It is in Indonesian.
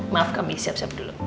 maaf kami siap siap dulu